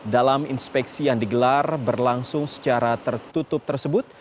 dalam inspeksi yang digelar berlangsung secara tertutup tersebut